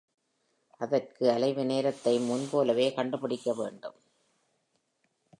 அதற்கு அலைவு நேரத்தையும் முன்போலவே கண்டு பிடிக்க வேண்டும்.